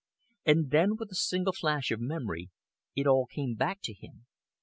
And then, with a single flash of memory, it all came back to him.